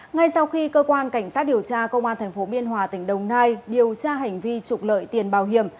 ngay sau khi cơ quan cảnh sát điều tra công an tp biên hòa tỉnh đồng nai điều tra hành vi trục lợi tiền bảo hiểm